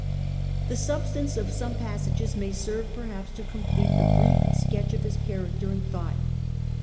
The substance of some passages may serve perhaps to complete the brief sketch of his character and thought.